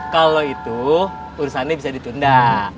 kalau itu urusannya bisa ditunda